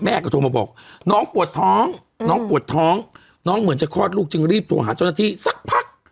โทรมาบอกน้องปวดท้องน้องปวดท้องน้องเหมือนจะคลอดลูกจึงรีบโทรหาเจ้าหน้าที่สักพัก